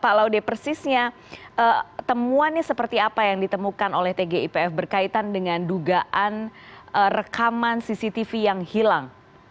pak laudem persisnya temuan ini seperti apa yang ditemukan oleh tgpf berkaitan dengan dugaan rekaman cctv yang hilang